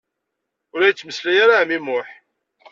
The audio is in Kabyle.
Ur la yettmeslay ara ɛemmi Muḥ.